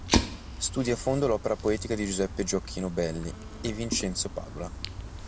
Studia a fondo l'opera poetica di Giuseppe Gioachino Belli e Vincenzo Padula.